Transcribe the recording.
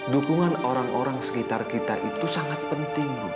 dukungan orang orang sekitar kita itu sangat penting